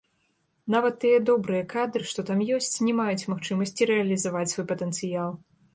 Нават тыя добрыя кадры, што там ёсць, не маюць магчымасці рэалізаваць свой патэнцыял.